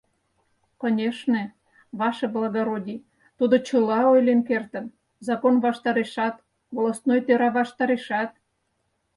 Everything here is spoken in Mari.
— Конешне, ваше благородий, тудо чыла ойлен кертын: закон ваштарешат, волостной тӧра ваштарешат.